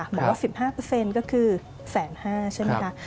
หมดละ๑๕ก็คือ๑๕๐๐๐๐บาทใช่ไหมคะ